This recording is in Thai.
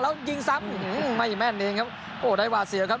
แล้วยิงซ้ำอืมไม่แม่นเองครับโอดัยวาเสียครับ